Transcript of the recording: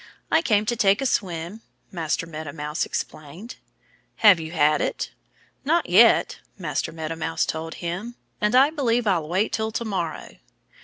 "I came to take a swim," Master Meadow Mouse explained. "Have you had it?" "Not yet!" Master Meadow Mouse told him. "And I believe I'll wait till to morrow."